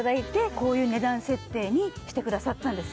こういう値段設定にしてくださったんです。